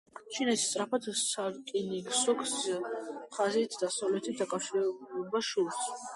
ჩინეთს სწრაფი სარკინიგზო ხაზით, დასავლეთთან დაკავშირება სურს.